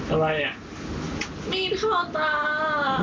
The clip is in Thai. อะไรอะ